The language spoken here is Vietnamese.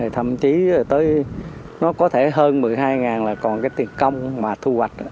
thậm chí tới nó có thể hơn một mươi hai là còn cái tiền công mà thu hoạch